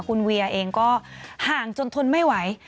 คุณเวียเองก็ห่างจนทนไม่ไหว